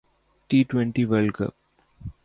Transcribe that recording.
T twenty world ک